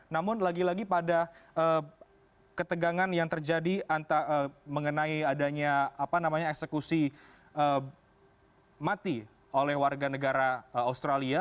namun lagi lagi pada ketegangan yang terjadi mengenai adanya eksekusi mati oleh warga negara australia